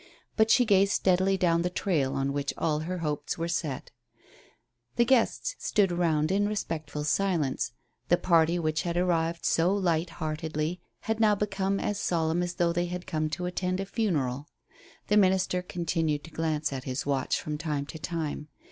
But she gazed steadily down the trail on which all her hopes were set. The guests stood around in respectful silence. The party which had arrived so light heartedly had now become as solemn as though they had come to attend a funeral. The minister continued to glance at his watch from time to time.